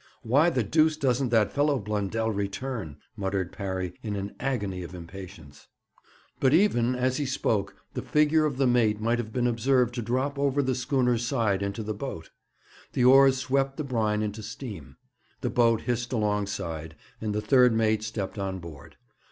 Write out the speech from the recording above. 'Why the deuce doesn't that fellow Blundell return?' muttered Parry, in an agony of impatience. But, even as he spoke, the figure of the mate might have been observed to drop over the schooner's side into the boat. The oars swept the brine into steam. The boat hissed alongside, and the third mate stepped on board.